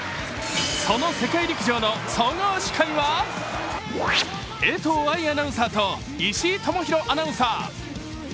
その世界陸上の総合司会は江藤愛アナウンサーと石井大裕アナウンサー。